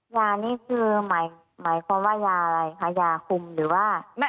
ยานี่คือหมายความว่ายาอะไรคะยาคุมหรือว่า